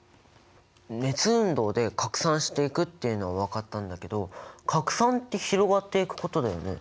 熱運動で拡散していくっていうのは分かったんだけど拡散って広がっていくことだよね？